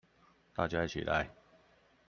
大家一起來